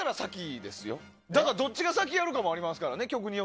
どっちが先やるかもありますからね